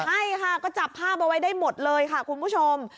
ใช่ค่ะก็จับภาพเอาไว้ได้หมดเลยค่ะคุณผู้ชม